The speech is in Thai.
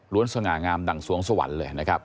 สง่างามดั่งสวงสวรรค์เลยนะครับ